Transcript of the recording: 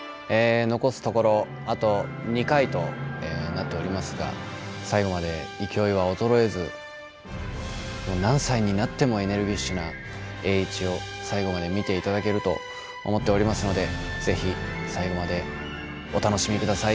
残すところあと２回となっておりますが最後まで勢いは衰えず何歳になってもエネルギッシュな栄一を最後まで見ていただけると思っておりますのでぜひ最後までお楽しみください。